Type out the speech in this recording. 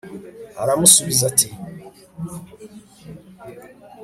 aramusubiza ati